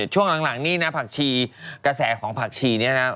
ช่วงหลังนี่นะผักชีกระแสของผักชีเนี่ยนะ